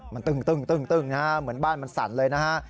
มันตึ้งนะฮะเหมือนบ้านมันสั่นเลยนะฮะ